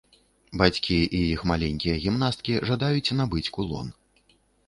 Бацькі і іх маленькія гімнасткі жадаюць набыць кулон.